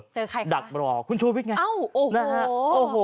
เจอใครคะคุณชูวิทย์ไงโอ้โห